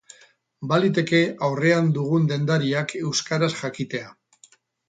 Baliteke aurrean dugun dendariak euskaraz jakitea.